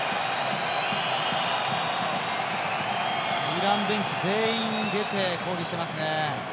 イランベンチ、全員出て抗議してますね。